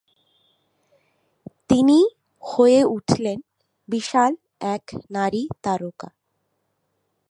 তিনি হয়ে উঠলেন বিশাল এক নারী তারকা।